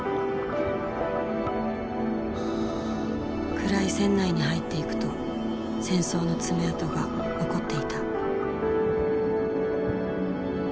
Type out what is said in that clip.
暗い船内に入っていくと戦争の爪痕が残っていた。